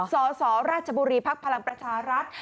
สสราชบุรีภักดิ์พลังประชารัฐ